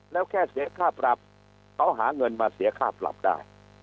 แล้วแค่เสียค่าปรับเขาหาเงินมาเสียค่าปรับได้